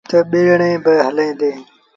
تا ٻيڙيٚن با هليݩ ديٚݩ۔